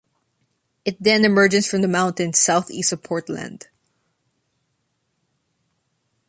It then emerges from the mountains southeast of Portland.